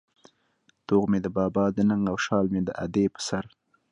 توغ مې د بابا د ننگ او شال مې د ادې په سر